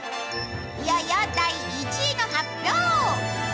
いよいよ第１位の発表。